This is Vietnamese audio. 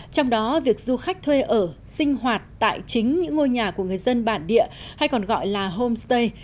trong đó việc du khách thuê ở sinh hoạt tại chính những ngôi nhà của người dân bản địa hay còn gọi là homestay